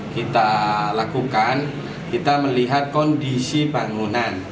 kita lakukan kita melihat kondisi bangunan